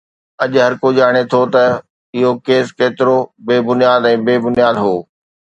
اڄ هرڪو ڄاڻي ٿو ته اهو ڪيس ڪيترو بي بنياد ۽ بي بنياد هو